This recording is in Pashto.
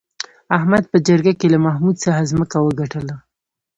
احمد په جرگه کې له محمود څخه ځمکه وگټله